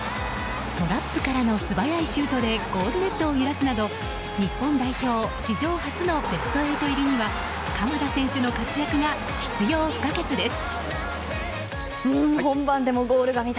トラップからの素早いシュートでゴールネットを揺らすなど日本代表史上初のベスト８入りには鎌田選手の活躍が必要不可欠です。